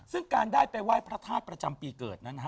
ซึ่งการได้ไปไหว้พระธาตุประจำปีเกิดนั้นนะฮะ